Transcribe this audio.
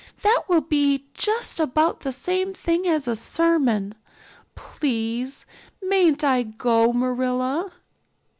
That will be just about the same thing as a sermon. Please, mayn't I go, Marilla?"